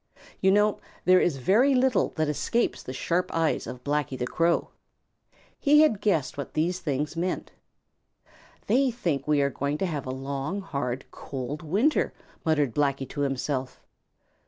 You know there is very little that escapes the sharp eyes of Blacky the Crow. He had guessed what these things meant. "They think we are going to have a long, hard, cold winter," muttered Blacky to himself.